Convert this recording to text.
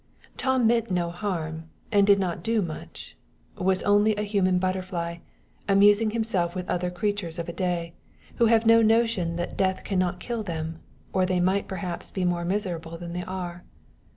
Tom meant no harm and did not do much was only a human butterfly, amusing himself with other creatures of a day, who have no notion that death can not kill them, or they might perhaps be more miserable than they are.